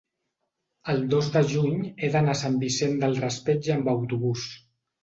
El dos de juny he d'anar a Sant Vicent del Raspeig amb autobús.